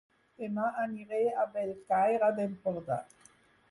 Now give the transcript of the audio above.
Dema aniré a Bellcaire d'Empordà